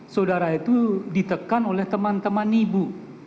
saudara itu ditekan oleh teman teman ibu